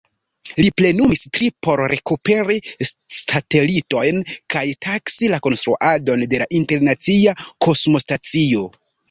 Li plenumis tri por rekuperi satelitojn kaj taksi la konstruadon de la Internacia Kosmostacio.